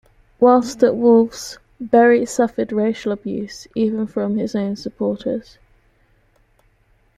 Whilst at Wolves Berry suffered racial abuse even from his own supporters.